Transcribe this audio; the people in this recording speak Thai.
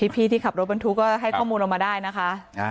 พี่ที่ขับรถบรรทุกก็ให้ข้อมูลออกมาได้นะคะ